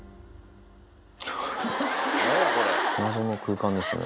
謎の空間ですね。